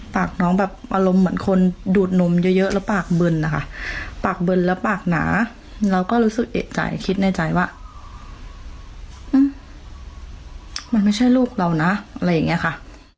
ปากน้องแบบอารมณ์เหมือนคนดูดนมเยอะแล้วปากเบิร์นนะคะปากเบิร์นแล้วปากหนาเราก็รู้สึกเอกใจคิดในใจว่ามันไม่ใช่ลูกเรานะอะไรอย่างนี้ค่ะ